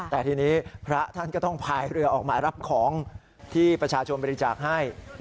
แต่ทีนี้พระท่านก็ต้องพายเรือออกมารับของที่ประชาชนบริจาคให้